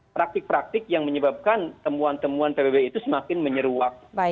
praktik praktik yang menyebabkan temuan temuan pbb itu semakin menyeruak